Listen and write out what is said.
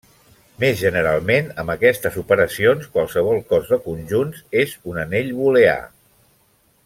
Més generalment amb aquestes operacions qualsevol cos de conjunts és un anell booleà.